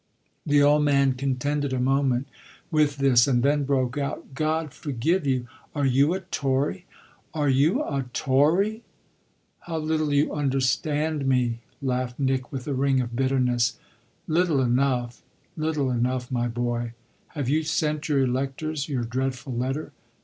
The old man contended a moment with this and then broke out: "God forgive you, are you a Tory, are you a Tory?" "How little you understand me!" laughed Nick with a ring of bitterness. "Little enough little enough, my boy. Have you sent your electors your dreadful letter?"